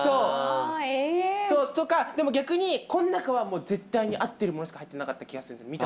とかでも逆にこの中は絶対に合っているものしか入ってなかった気がするんですよ